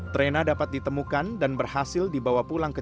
trena dapat ditemukan dan berhasil dibawa ke rumah sakit